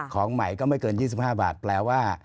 ของใหม่ก็ไม่เกิน๒๕บาทแปลว่า